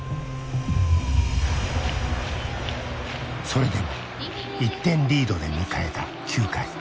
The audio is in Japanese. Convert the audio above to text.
それでも１点リードで迎えた９回。